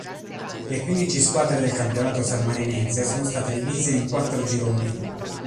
Le quindici squadre del campionato sammarinese sono state divise in quattro gironi.